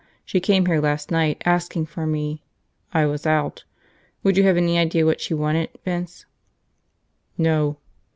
"She came here last night, asking for me. I was out. Would you have any idea what she wanted, Vince?" "No."